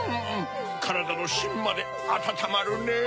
からだのしんまであたたまるねぇ。